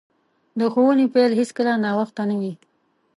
د ښوونې پیل هیڅکله ناوخته نه وي.